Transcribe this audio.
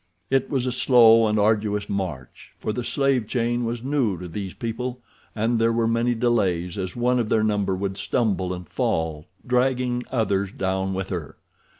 It was a slow and arduous march, for the slave chain was new to these people, and there were many delays as one of their number would stumble and fall, dragging others down with her.